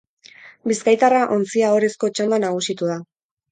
Bizkaitarra ontzia ohorezko txanda nagusitu da.